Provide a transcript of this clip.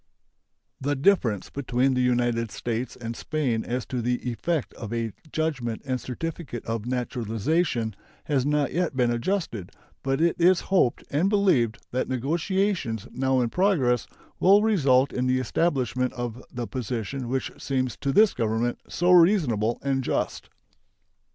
The difference between the United States and Spain as to the effect of a judgment and certificate of naturalization has not yet been adjusted, but it is hoped and believed that negotiations now in progress will result in the establishment of the position which seems to this Government so reasonable and just.